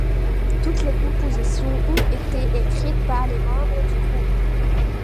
Toutes les compositions ont été écrites par les membres du groupe.